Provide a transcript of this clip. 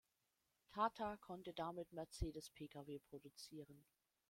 Tata konnte damit Mercedes-Pkw produzieren.